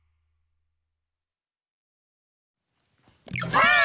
ばあっ！